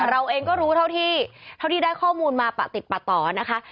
เราเองก็รู้เท่าที่ได้ข้อมูลมาปะติดปะต่อนะคะ